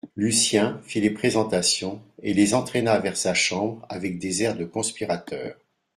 Lucien fit les présentations et les entraîna vers sa chambre avec des airs de conspirateurs.